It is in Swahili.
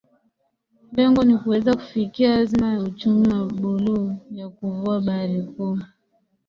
Lengo ni kuweza kufikia azma ya uchumi wa buluu ya kuvua bahari kuu